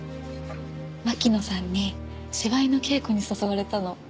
巻乃さんに芝居の稽古に誘われたの。